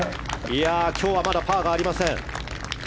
今日はまだパーがありません。